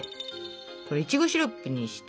これいちごシロップにして。